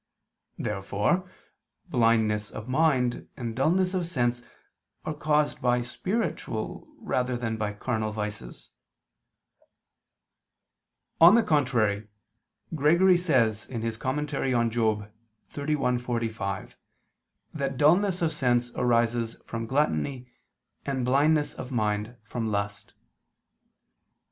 Therefore blindness of mind and dulness of sense are caused by spiritual rather than by carnal vices. On the contrary, Gregory says (Moral. xxxi, 45) that dulness of sense arises from gluttony and blindness of mind from lust.